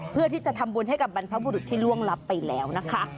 เพื่อที่จะทำบุญให้กับบรรพบุรุษที่ล่วงลับไปแล้วนะคะ